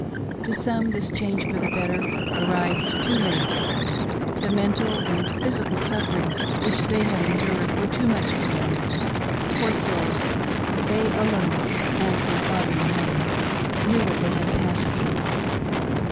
To some this change for the better arrived too late — the mental and physical sufferings which they had endured were too much for them. Poor souls ! they alone and their Father in heaven knew what they had passed through.